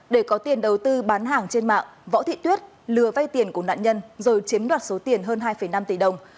để có tiền đầu tư bán hàng trên mạng võ thị tuyết lừa vay tiền của nạn nhân rồi chiếm đoạt số tiền hơn hai năm tỷ đồng